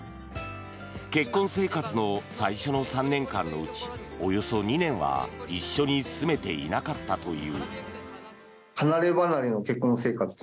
結婚生活の最初の３年間のうちおよそ２年は一緒に住めていなかったという。